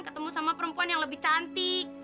ketemu sama perempuan yang lebih cantik